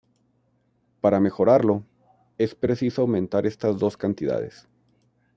Para mejorarlo, es preciso aumentar estas dos cantidades.